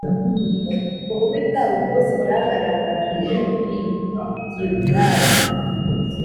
Ububi bwabo bwose bwagaragariye i Gilugali